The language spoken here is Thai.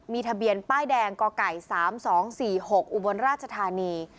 มีทะเบียนป้ายแดงก่อไก่สามสองสี่หกอุบรรณราชธานี